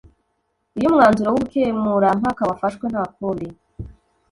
iyo umwanzuro w’ubukemurampaka wafashwe nta kundi